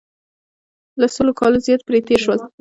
له سلو کالو زیات پرې تېر شول.